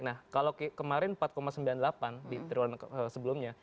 nah kalau kemarin empat sembilan puluh delapan di triwulan sebelumnya